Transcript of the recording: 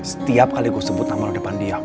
setiap kali gue sebut nama lo depan dia